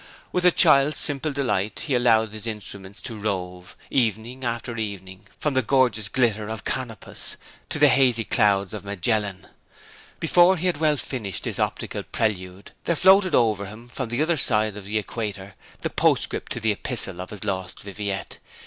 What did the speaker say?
With a child's simple delight he allowed his instrument to rove, evening after evening, from the gorgeous glitter of Canopus to the hazy clouds of Magellan. Before he had well finished this optical prelude there floated over to him from the other side of the Equator the postscript to the epistle of his lost Viviette.